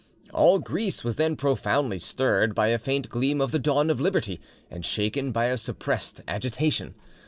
All Greece was then profoundly stirred by a faint gleam of the dawn of liberty, and shaken by a suppressed agitation.